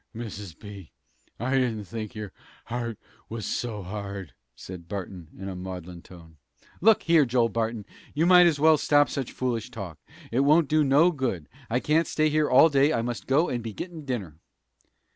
"Mrs. B., I didn't think your heart was so hard," said Barton, in a maudlin tone. "Look here, Joel Barton; you might as well stop such foolish talk. It won't do no good. I can't stay here all day. I must go and be gettin' dinner."